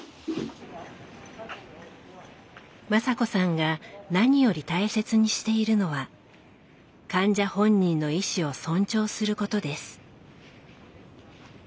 雅子さんが何より大切にしているのは患者本人の意思を尊重することです。